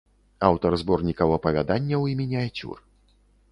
Аўтар зборнікаў апавяданняў і мініяцюр.